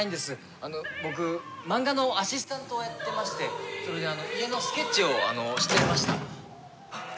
あの僕、漫画のアシスタントをやってましてそれで家のスケッチをあのしてました。